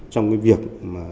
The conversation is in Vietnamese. trong cái việc